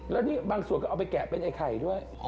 แล้วนี่บางส่วนก็เอาไปแกะเป็นไอ้ไข่ด้วย